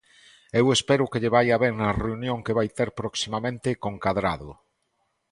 Eu espero que lle vaia ben na reunión que vai ter proximamente con Cadrado.